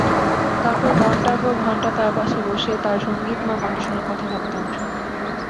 তারপর ঘন্টার পর ঘন্টা তার পাশে বসে তার সংগীতময় কণ্ঠস্বরের কথা ভাবতাম।